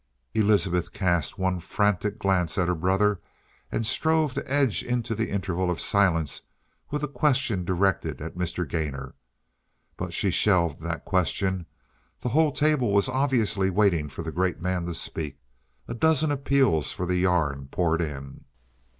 Elizabeth cast one frantic glance at her brother, and strove to edge into the interval of silence with a question directed at Mr. Gainor. But he shelved that question; the whole table was obviously waiting for the great man to speak. A dozen appeals for the yarn poured in.